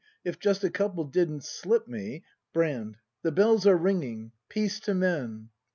— If just a couple didn't slip me Brand. The bells are ringing: Peace to Men.